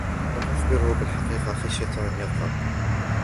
لم أخبره بالحقيقة خشية أن يغضب.